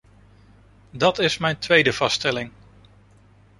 Dat is mijn tweede vaststelling.